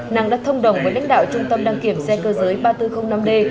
năng đã thông đồng với lãnh đạo trung tâm đăng kiểm xe cơ giới ba nghìn bốn trăm linh năm d